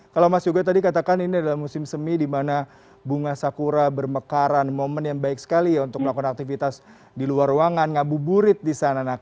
kalau mas yoga tadi katakan ini adalah musim semi di mana bunga sakura bermekaran momen yang baik sekali ya untuk melakukan aktivitas di luar ruangan ngabuburit di sana